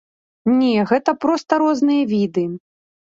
Не, гэта проста розныя віды.